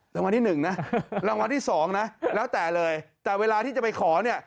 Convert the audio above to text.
รางวัลที่หนึ่งนะรางวัลที่สองนะแล้วแต่เลยแต่เวลาที่จะไปขอเนี่ย